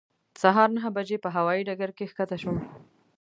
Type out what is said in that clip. سهار نهه بجې په هوایې ډګر کې ښکته شوم.